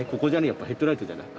やっぱヘッドライトじゃない？